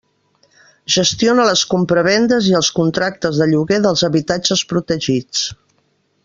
Gestiona les compravendes i els contractes de lloguer dels habitatges protegits.